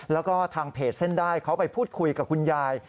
แล้วก็ทางเพจเส้นได้เขาไปพูดคุยกับคุณยาย